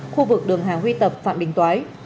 khu vực đường hà huy tập phạm bình toái